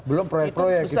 belum proyek proyek gitu